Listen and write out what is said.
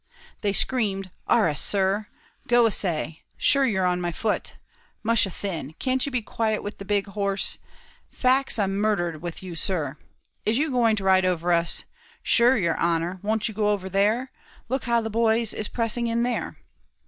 They screamed, "Arrah, sir! go asy; shure you're on my foot; musha thin, can't you be quiet with the big horse? faix I'm murdhered with you, sir, is you going to ride over us? shure, yer honer, won't you go over there? look how the boys is pressing in there."